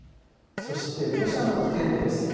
そして土砂の危険度です。